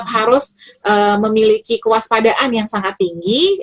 harus memiliki kewaspadaan yang sangat tinggi